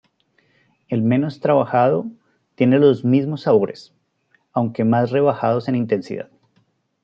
El menos trabajado tiene los mismos sabores, aunque más rebajados en intensidad.